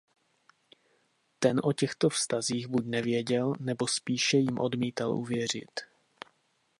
Ten o těchto vztazích buď nevěděl nebo spíše jim odmítal uvěřit.